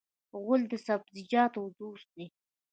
غول د سبزیجاتو دوست دی.